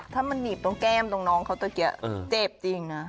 ถ้ามันนีบตรงแก้มต่างน้องเขาเจ็บจริงนะ